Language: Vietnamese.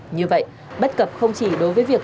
như vậy bất cập không chỉ đối với việc